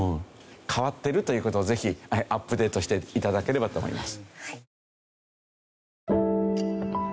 変わってるという事をぜひアップデートして頂ければと思います。